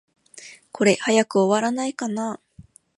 これ、早く終わらないかな。